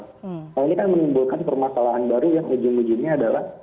nah ini kan menimbulkan permasalahan baru yang ujung ujungnya adalah